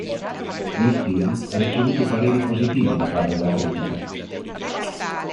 Il film ha ricevuto pareri positivi da parte della critica.